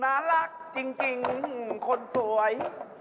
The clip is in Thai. น่ารักจริงคนสวย